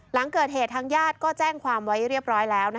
หลังเกิดเหตุทางญาติก็แจ้งความไว้เรียบร้อยแล้ว